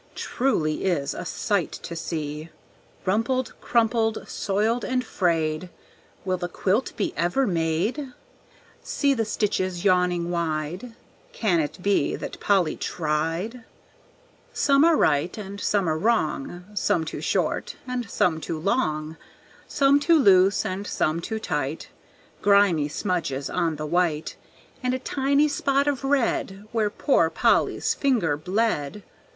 Truly is a sight to see. Rumpled, crumpled, soiled, and frayed Will the quilt be ever made? See the stitches yawning wide Can it be that Polly tried? Some are right and some are wrong, Some too short and some too long, Some too loose and some too tight; Grimy smudges on the white, And a tiny spot of red, Where poor Polly's finger bled.